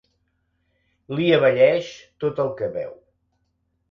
Li abelleix tot el que veu.